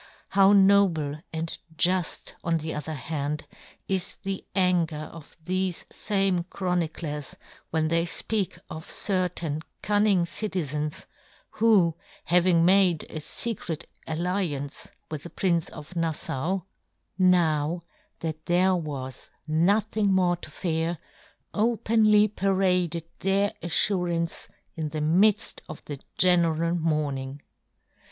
How noble and juft, on the other hand, is the anger of thefe fame chroniclers when they fpeak of cer tain cunning citizens, who, having made a fecret alliance with the Prince of Naffau, now that there was nothing more to fear, openly paraded their affurance in the midft of the general mourning.